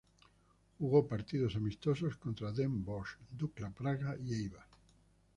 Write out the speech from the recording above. Jugó partidos amistosos, contra Den Bosch, Dukla Praga y Eibar.